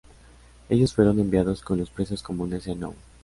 Ellos fueron enviados con los presos comunes en Nou.